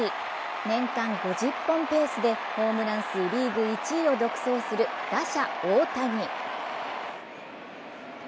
年間５０本ペースでホームラン数リーグ１位を独走する打者・大谷。